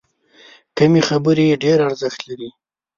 کمې خبرې، ډېر ارزښت لري.